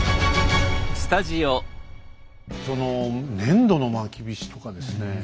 その粘土のまきびしとかですね